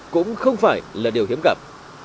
cũng không phải là điều hiếm gặp